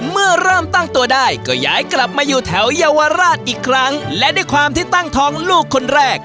เมื่อเริ่มตั้งตัวได้ก็ย้ายกลับมาอยู่แถวเยาวราชอีกครั้งและด้วยความที่ตั้งท้องลูกคนแรก